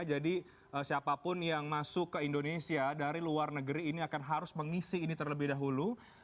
jadi siapapun yang masuk ke indonesia dari luar negeri ini akan harus mengisi ini terlebih dahulu